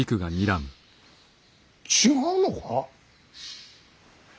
違うのか。